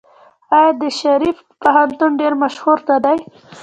آیا د شریف پوهنتون ډیر مشهور نه دی؟